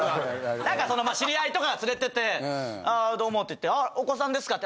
なんかそのまあ知り合いとかが連れてて「ああどうも」って言って「ああお子さんですか？」って